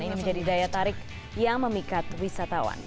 ini menjadi daya tarik yang memikat wisatawan